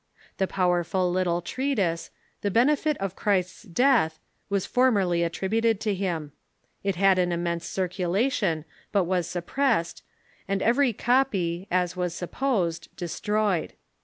The powerful little treatise, " The Benefit of Christ's Death," was formerly atributed to him. It had an immense circulation, but was suppressed, and every copy, as was sup posed, destroyed.